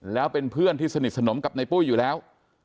แล้วเป็นเพื่อนที่สนิทสนมกับในปุ้ยอยู่แล้ว